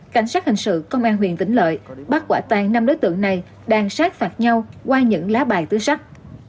cảnh sát hình sự công an huyện tĩnh lợi bắt quả tàn năm đối tượng này đang sát phạt nhau qua những lá bài tứ sắc